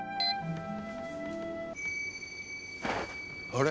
「あれ？」